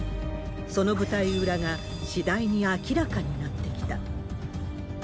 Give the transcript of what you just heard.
その舞台裏が、次第に明らかになってきた。